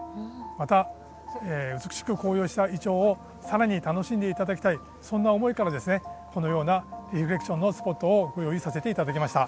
また、美しく黄葉したイチョウをさらに楽しんでいただきたい、そんな思いからこのようなリフレッシュスポットを設置させていただきました。